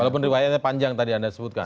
walaupun riwayatnya panjang tadi anda sebutkan